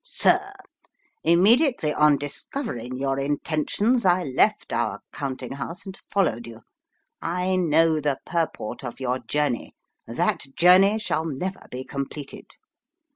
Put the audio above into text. " Sir. Immediately on discovering your intentions, I left our count ing house, and followed you. I know the purport of your journey ; that journey shall never be completed.